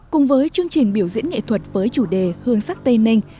cùng với chương trình biểu diễn nghệ thuật với chủ đề hương sắc tây ninh